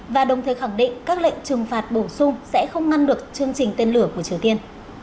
và đồng thời khẳng định các lệnh trừng phạt bổ sung sẽ không ngăn được chương trình tên lửa của triều tiên